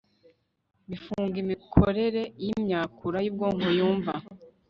bifunga imikorere yimyakura yubwonko yumva